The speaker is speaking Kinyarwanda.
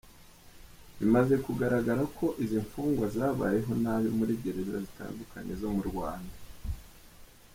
Bimaze kugaragara ko izi mfungwa zabayeho nabi muri gereza zitandukanye zo mu Rwanda;